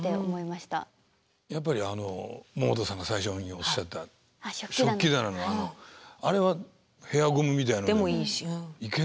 やっぱり百田さんが最初におっしゃった食器棚のあれはヘアゴムみたいのでもいけるんですね。